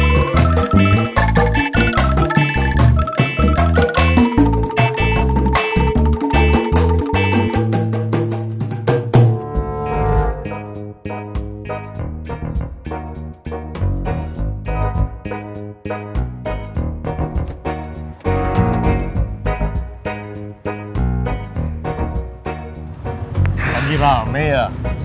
lagi rame ya